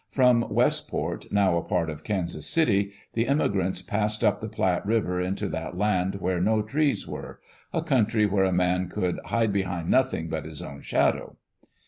From Westport, now a part of Kansas City, the immigrants passed up the Platte River into that land where no trees were — a country where a man could hide behind nothing but his own shadow."